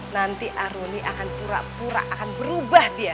nanti aroni akan pura pura akan berubah dia